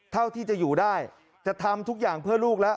เท่าที่จะอยู่ได้จะทำทุกอย่างเพื่อลูกแล้ว